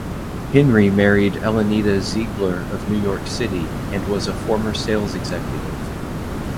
Henry married Elenita Ziegler of New York City and was a former sales executive.